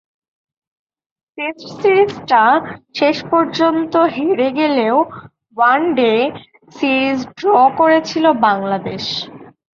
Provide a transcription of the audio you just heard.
Test সিরিজটা শেষ পর্যন্ত হেরে গেলেও ওয়ানডে সিরিজ ড্র করেছিল বাংলাদেশ।